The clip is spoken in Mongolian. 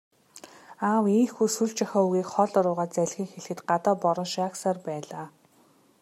Аав ийнхүү сүүлчийнхээ үгийг хоолой руугаа залгин хэлэхэд гадаа бороо шаагьсаар байлаа.